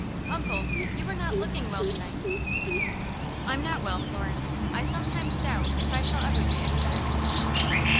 "Uncle, you are not looking well to night." "I'm not well, Florence. I sometimes doubt if I shall ever be any better."